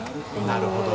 なるほど。